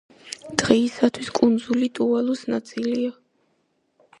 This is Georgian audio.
დღეისათვის კუნძული ტუვალუს ნაწილია.